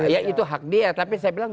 ya itu hak dia tapi saya bilang